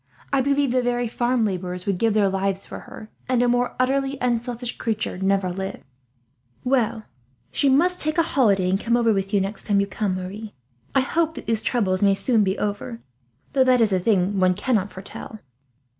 I believe the very farm labourers would give their lives for her, and a more utterly unselfish creature never lived." "Well, she must take a holiday and come over with you, next time you come, Marie. I hope that these troubles may soon be over, though that is a thing one cannot foretell."